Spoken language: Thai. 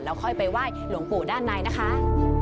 แล้วค่อยไปว่ายหลวงบู่ด้านในนะคะ